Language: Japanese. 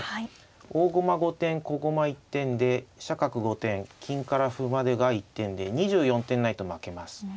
大駒５点小駒１点で飛車角５点金から歩までが１点で２４点ないと負けます。